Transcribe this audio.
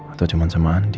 atau cuman sama andi